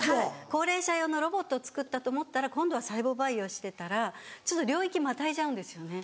高齢者用のロボットを造ったと思ったら今度は細胞培養してたらちょっと領域またいじゃうんですよね。